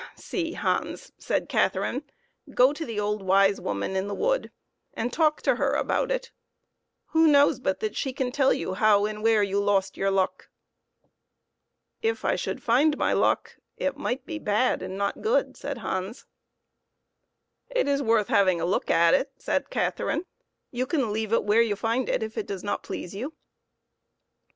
" See, Hans," said Catherine ;" go to the old wise woman in the wood and talk to her about it ; who knows but that she can tell you how and where you lost your luck ?"" If I should find my luck it might be bad and not good," said Hans. " It is worth having a look at," said Catherine ;" you can leave it where you find it if it does not please you."